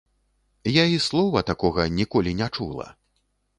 Я і слова такога ніколі не чула.